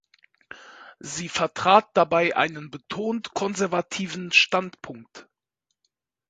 Sie vertrat dabei einen betont konservativen Standpunkt.